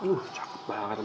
uh cakep banget